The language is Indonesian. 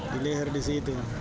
di leher di situ